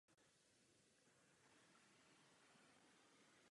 Poloha na svahu umožňuje výhled do Polabské nížiny.